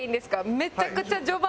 「めちゃくちゃ序盤」。